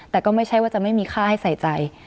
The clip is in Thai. แต่ก็ไม่ใช่ว่าจะไม่มีค่าให้ใส่ใจ